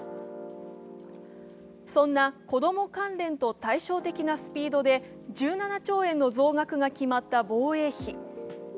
そんな子供関連と対照的なスピードで１７兆円の増額が決まった防衛費。